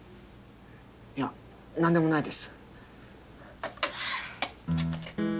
いや何でもないです。